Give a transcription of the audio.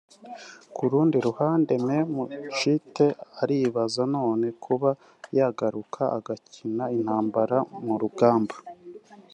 Ku rundi ruhande Mémé Tchité aribaza nanone kuba yagaruka agakinira Intamba mu Rugamba